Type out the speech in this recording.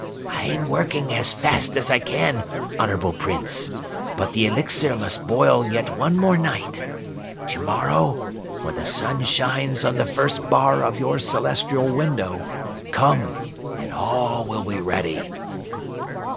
"I am working as fast as I can, Honorable Prince, but the elixir must boil yet one more night. Tomorrow, when the sun shines on the first bar of your celestial window, come, and all will be ready."